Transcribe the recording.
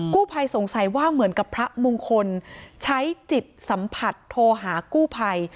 ภัยสงสัยว่าเหมือนกับพระมงคลใช้จิตสัมผัสโทรหากู้ภัย